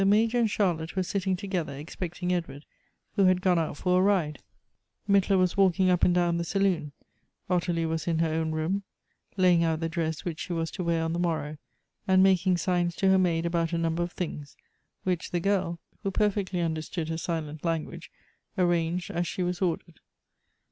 ijor and Char lotte were sitting together expecting Edward, who had gone out for a ride ; Mittler was walking up and down the saloon ; Ottilie was in her own room, laying out the Elective Affinities. 313 dress which she was to wear on the morrow, and making signs to her maid about a number of tilings, wliich the girl, who perfectly understood her silent language, arranged as she was ordered.